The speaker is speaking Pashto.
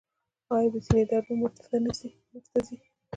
ایا د سینې درد مو مټ ته ځي؟